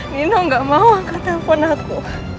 nino gak mau akan telepon aku